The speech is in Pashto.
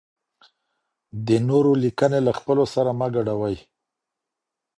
د نورو لیکني له خپلو سره مه ګډوئ.